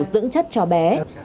dưỡng chất cho bé